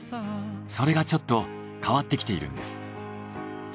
それがちょっと変わってきているんです。